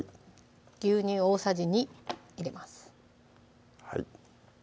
牛乳大さじ２入れます